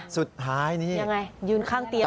สุดท้ายนี้ยืนข้างเตียง